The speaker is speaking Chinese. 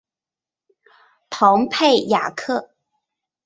蓬佩雅克。